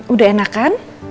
udah enak kan